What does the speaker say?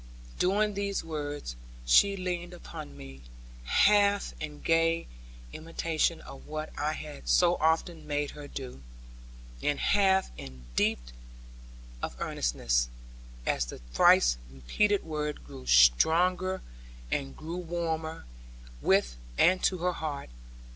During these words she leaned upon me, half in gay imitation of what I had so often made her do, and half in depth of earnestness, as the thrice repeated word grew stronger, and grew warmer, with and to her heart.